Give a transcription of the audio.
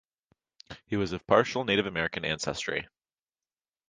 He was of partial Native American ancestry.